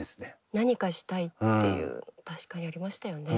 何かしたいっていう確かにありましたよね。